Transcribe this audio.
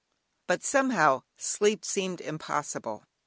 But somehow sleep seemed impossible.